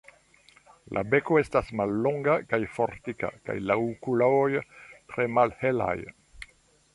La beko estas mallonga kaj fortika kaj la okuloj tre malhelaj.